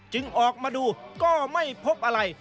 ออกมาดูก็ไม่พบอะไร